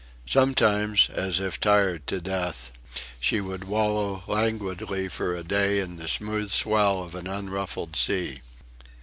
Sometimes, as if tired to death, she would wallow languidly for a day in the smooth swell of an unruffled sea.